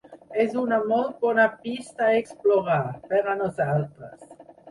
És una molt bona pista a explorar, per a nosaltres.